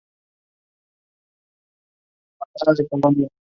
Es una orquídea de tamaño pequeño que prefiere el clima fresco al frío.